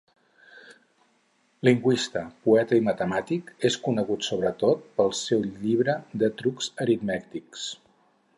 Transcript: Lingüista, poeta i matemàtic, és conegut, sobretot, pel seu llibre de trucs aritmètics.